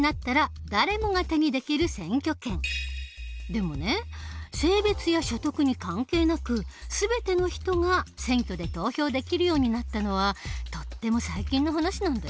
でもね性別や所得に関係なく全ての人が選挙で投票できるようになったのはとっても最近の話なんだよ。